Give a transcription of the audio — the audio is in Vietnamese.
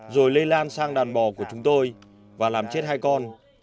rồi lây lan sang đàn bò của chúng tôi và làm chết hai con